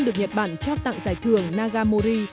được nhật bản trao tặng giải thưởng nagamori